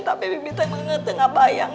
tapi bibi teh mengetengah bayang